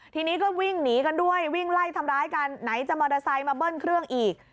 ทีนี้ก็วิ่งหนีกันด้วยวิ่งไล่ทำร้ายกันไหนจะมอเตอร์ไซค์มาเบิ้ลเครื่องอีก